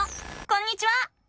こんにちは！